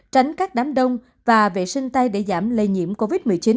tránh các đám đông và vệ sinh tay để giảm lây nhiễm covid một mươi chín